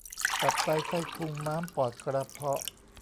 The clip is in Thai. ตับไตไส้พุง ม้าม ปอด กระเพาะ